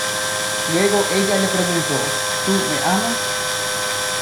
Luego ella le preguntó "¿Tú me amas?